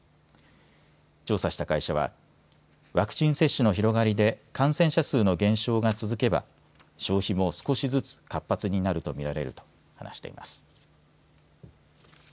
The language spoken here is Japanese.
調査した会社はワクチン接種の広がりで感染者数の減少が続けば消費も少しずつ活発になると見られると話しています。